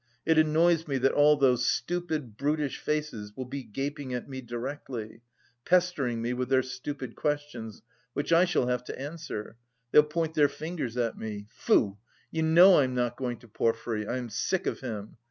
It annoys me that all those stupid brutish faces will be gaping at me directly, pestering me with their stupid questions, which I shall have to answer they'll point their fingers at me.... Tfoo! You know I am not going to Porfiry, I am sick of him.